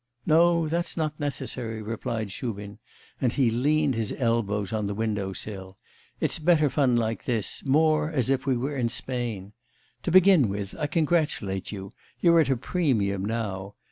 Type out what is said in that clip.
'No, that's not necessary,' replied Shubin, and he leaned his elbows on the window sill, 'it's better fun like this, more as if we were in Spain. To begin with, I congratulate you, you're at a premium now.